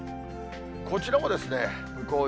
こちらもですね、向こう